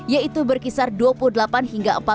yaitu berkisar dua puluh delapan hingga empat puluh